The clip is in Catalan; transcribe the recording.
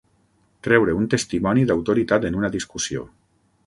Treure un testimoni d'autoritat en una discussió.